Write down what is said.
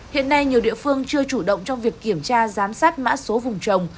hiện nay nhiều địa phương chưa chủ động trong việc kiểm tra giám sát mã số vùng trồng